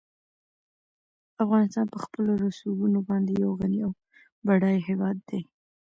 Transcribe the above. افغانستان په خپلو رسوبونو باندې یو غني او بډای هېواد دی.